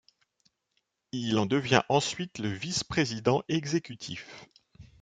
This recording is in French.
Il en devient ensuite le vice-président exécutif.